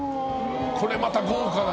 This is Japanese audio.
これまた豪華な。